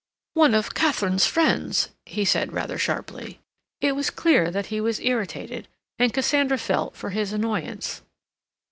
"One of Katharine's friends," he said rather sharply. It was clear that he was irritated, and Cassandra felt for his annoyance.